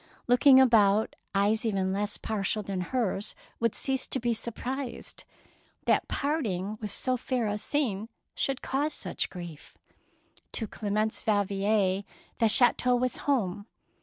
Looking about, eyes even less partial than hers would cease to be surprised that parting with so fair a scene should cause such grief. To Clemence Yal vier the chateau was home.